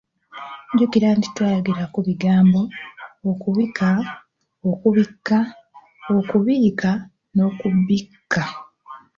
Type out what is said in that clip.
Jjukira nti twayogera ku bigambo, okubika, okubikka, okubiika n'okubbika.